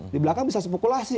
di belakang bisa spokulasi